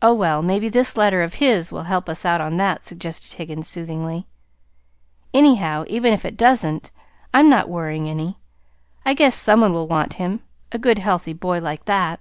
"Oh, well, maybe this letter of his will help us out on that," suggested Higgins soothingly. "Anyhow, even if it doesn't, I'm not worrying any. I guess some one will want him a good healthy boy like that."